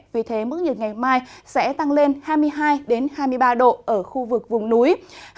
vì thế mức nhiệt ngày mai sẽ tăng lên hai mươi hai hai mươi ba độ ở khu vực vùng núi